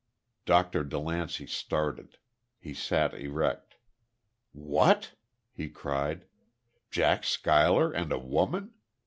Doctor DeLancey started. He sat erect. "What!" he cried. "Jack Schuyler and a woman?